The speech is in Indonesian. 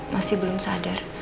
masih belum sadar